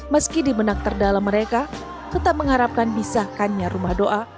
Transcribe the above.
meski di benak terdalam mereka tetap mengharapkan disahkannya rumah doa